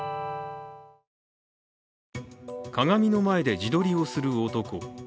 鏡の前で自撮りをする男。